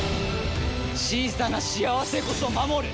小さな幸せこそ守る。